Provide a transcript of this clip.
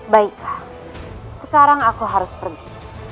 baiklah sekarang aku harus pergi